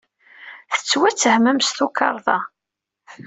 Tettwattehmem s tukerḍa.